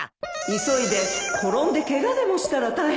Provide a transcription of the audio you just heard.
急いで転んでけがでもしたら大変だからね